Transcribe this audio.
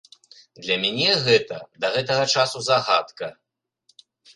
Для мяне гэта да гэтага часу загадка.